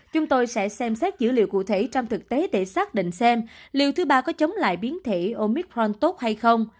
chúng tôi sẽ xem xét dữ liệu cụ thể trong thực tế để xác định xem liều thứ ba có chống lại biến thể omicron tốt hay không